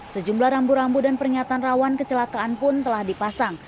sejumlah rambu rambu dan pernyataan rawan kecelakaan pun telah dipasang